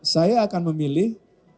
saya akan memilih